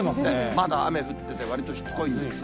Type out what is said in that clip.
まだ雨降ってて、わりとしつこいんですよ。